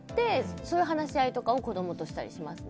そういう話し合いを子供としたりしますね。